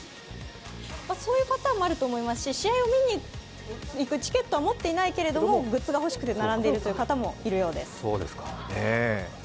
そういう方もいると思いますし、試合見に行くチケットは持っていないけれども、グッズが欲しくて並んでいる方もいるようです。